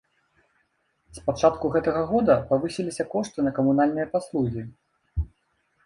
З пачатку гэтага года павысіліся кошты на камунальныя паслугі.